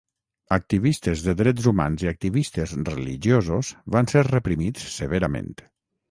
Activistes de drets humans i activistes religiosos van ser reprimits severament.